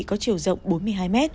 có chiều rộng bốn mươi hai m